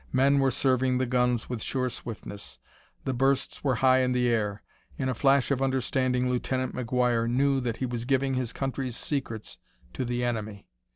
Men were serving the guns with sure swiftness; the bursts were high in the air in a flash of understanding Lieutenant McGuire knew that he was giving his country's secrets to the enemy.